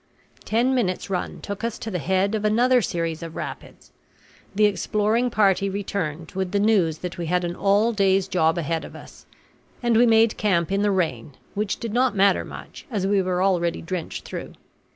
Ten minutes' run took us to the head of another series of rapids; the exploring party returned with the news that we had an all day's job ahead of us; and we made camp in the rain, which did not matter much, as we were already drenched through.